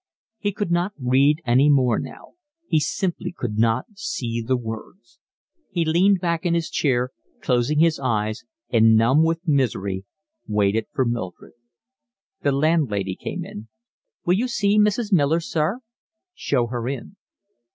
He could not read any more now. He simply could not see the words. He leaned back in his chair, closing his eyes, and, numb with misery, waited for Mildred. The landlady came in. "Will you see Mrs. Miller, sir?" "Show her in."